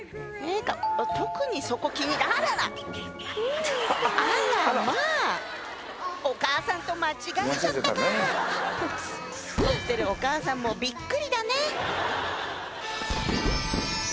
特にそこ気に入あららあらまあお母さんと間違えちゃったか撮ってるお母さんもびっくりだね